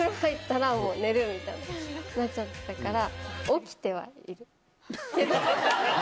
みたいになっちゃってたから。